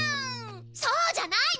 そうじゃないの！